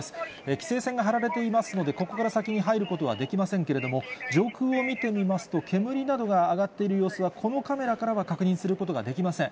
規制線が張られていますので、ここから先に入ることはできませんけれども、上空を見てみますと、煙などが上がっている様子は、このカメラからは確認することができません。